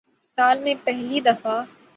سال میں پہلی دفع